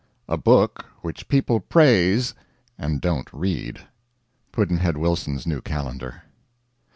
A book which people praise and don't read. Pudd'nhead Wilson's New Calendar.